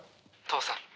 「父さん」